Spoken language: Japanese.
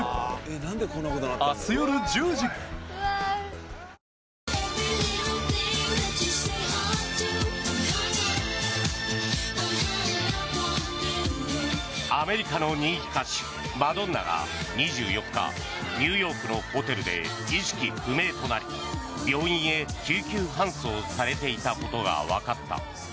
アメリカの人気歌手マドンナさんがアメリカの人気歌手マドンナが２４日ニューヨークのホテルで意識不明となり病院へ救急搬送されていたことがわかった。